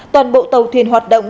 toàn bộ tàu thuyền hoạt động